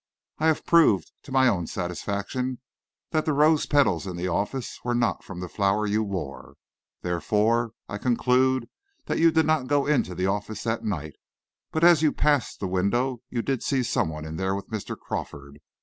I have proved to my own satisfaction that the rose petals in the office were not from the flower you wore. Therefore I conclude that you did not go into the office that night, but as you passed the window you did see someone in there with Mr. Crawford.